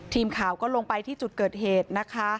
ทีมข่าวก็ลงไปที่จุดเกิดเหตุนะคะ